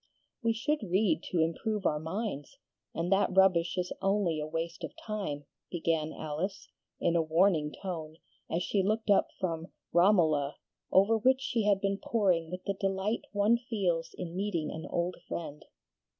"We should read to improve our minds, and that rubbish is only a waste of time," began Alice, in a warning tone, as she looked up from "Romola," over which she had been poring with the delight one feels in meeting an old friend.